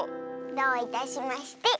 どういたしまして。